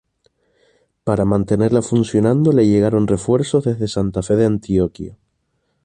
Para mantenerla funcionando le llegaron refuerzos desde Santa Fe de Antioquia.